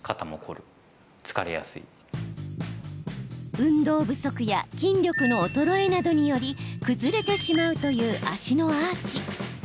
運動不足や筋力の衰えなどにより崩れてしまうという足のアーチ。